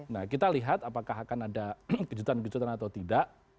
nah kita lihat apakah akan ada kejutan kejutan atau tidak